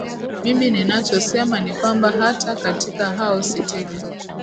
mimi ninachosema ni kwamba hata katika hao sitini